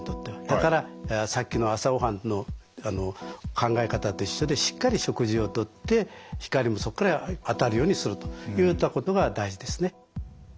だからさっきの朝ごはんの考え方と一緒でしっかり食事をとって光もそこから当たるようにするといったことが大事ですね。